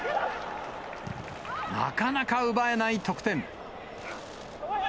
なかなか奪えない得点。